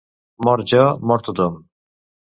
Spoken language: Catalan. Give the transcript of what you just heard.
Mort jo, mort tothom.